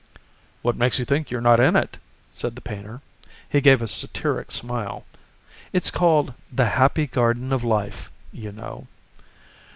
"What makes you think you're not in it?" said the painter. He gave a satiric smile. "It's called 'The Happy Garden of Life,' you know."